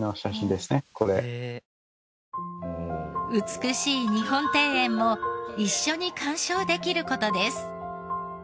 美しい日本庭園も一緒に鑑賞できる事です。